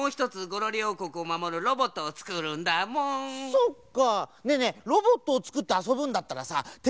そっか。